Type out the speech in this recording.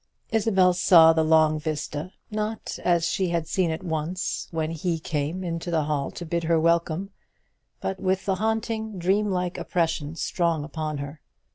Isabel saw the long vista, not as she had seen it once, when he came into the hall to bid her welcome, but with the haunting dreamlike oppression strong upon her.